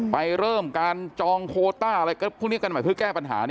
ไปเริ่มการจองโคต้าอะไรพวกนี้กันใหม่เพื่อแก้ปัญหา